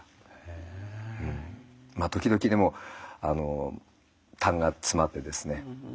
時々でもたんが詰まってですね